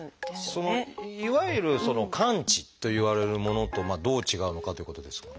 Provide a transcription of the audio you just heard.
いわゆる「完治」といわれるものとどう違うのかということですが。